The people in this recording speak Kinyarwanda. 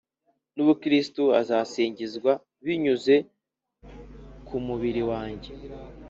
n ubu Kristo azasingizwa binyuze ku mubiri wanjye